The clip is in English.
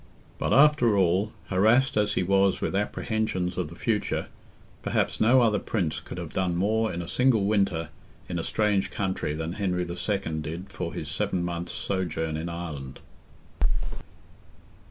But, after all, harassed as he was with apprehensions of the future, perhaps no other Prince could have done more in a single winter in a strange country than Henry II. did for his seven months' sojourn in Ireland.